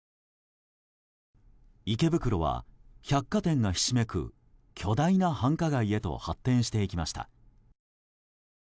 池袋は百貨店がひしめく巨大な繁華街へと発展していきました。